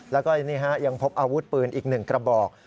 แล้วก็อย่างนี้ยังพบอาวุธปืนอีกหนึ่งกระบอก